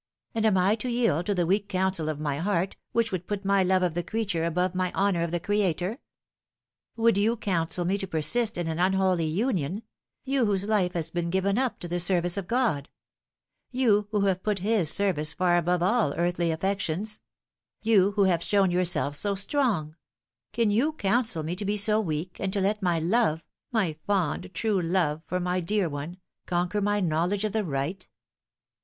and am I to yield to the weak counsel of my heart, which would put my love of the creature above my honour of the Creator ? Would you counsel me to persist in an unholy union you whose life has been given up to the service of God you who have put His service far above all earthly affections ; you who have shown yourself so strong : can you counsel me to be so weak, and to let my love my fond true love for my 170 The Fatal Three. dear one conquer my knowledge of the right